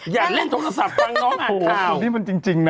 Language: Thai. อย่าเล่นโทรศัพท์ฟังน้องอ่านข่าวนี้มันจริงนะ